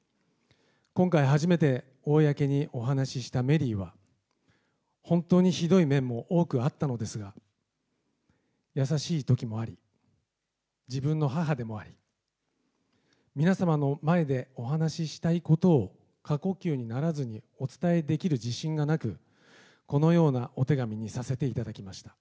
今回、初めて公にお話したメリーは、本当にひどい面も多くあったのですが、優しいときもあり、自分の母でもあり、皆様の前でお話ししたいことを過呼吸にならずにお伝えできる自信がなく、このようなお手紙にさせていただきました。